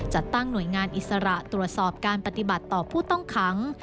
จัดตั้งหน่วยงานอิสระตรวจสอบการปฏิบัติต่อผู้ต้องขัง